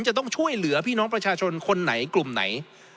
จะต้องช่วยเหลือพี่น้องประชาชนคนไหนกลุ่มไหน